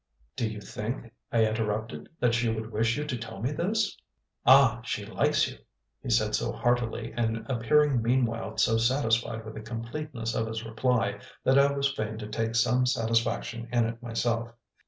"Do you think," I interrupted, "that she would wish you to tell me this?" "Ah, she likes you!" he said so heartily, and appearing meanwhile so satisfied with the completeness of his reply, that I was fain to take some satisfaction in it myself.